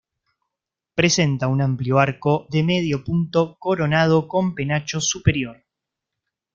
Presenta un amplio arco de medio punto coronado con penacho superior.